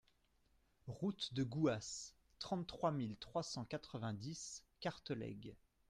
Route de Gouas, trente-trois mille trois cent quatre-vingt-dix Cartelègue